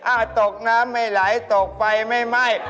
ตกน้ำไม่ไหลตกไฟไม่ไหม้